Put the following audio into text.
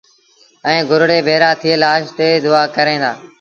ائيٚݩ گُرڙي ڀيڙآ ٿئي لآش تي دئآ ڪريݩ دآ